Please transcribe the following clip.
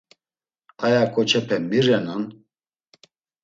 Aya ǩoçepe mi renan?